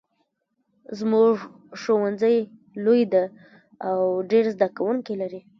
زمونږ ښوونځی لوی ده او ډېر زده کوونکي لري